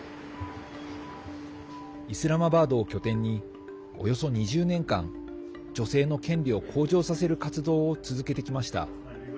イスラマバードを拠点におよそ２０年間女性の権利を向上させる活動を続けてきました。